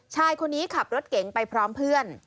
ชายคนนี้ขับรถเก๋งไปพร้อมเพื่อน